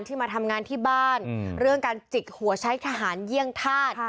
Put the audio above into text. มาทำงานที่บ้านเรื่องการจิกหัวใช้ทหารเยี่ยงธาตุ